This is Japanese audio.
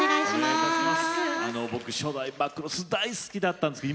僕初代「マクロス」大好きだったんですけど